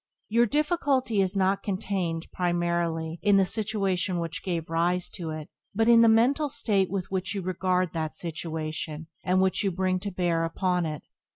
Your difficulty is not contained, primarily, in the situation which gave rise to it, but in the mental state with which you regard that situation and which you bring to bear upon it.